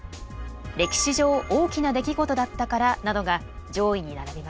「歴史上大きな出来事だったから」などが上位に並びました。